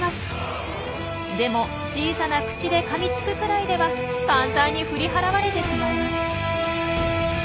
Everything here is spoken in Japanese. でも小さな口でかみつくくらいでは簡単に振り払われてしまいます。